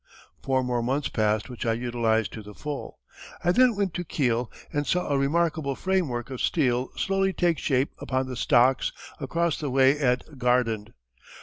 Four more months passed which I utilized to the full. I then went to Kiel and saw a remarkable framework of steel slowly take shape upon the stocks across the way at Gaarden.